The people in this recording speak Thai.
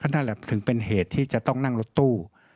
นั่นแหละถึงเป็นเหตุที่จะต้องนั่งรถตู้